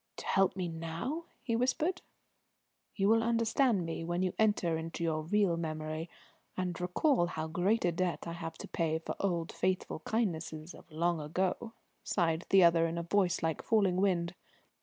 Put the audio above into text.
"To help me now?" he whispered. "You will understand me when you enter into your real memory and recall how great a debt I have to pay for old faithful kindnesses of long ago," sighed the other in a voice like falling wind.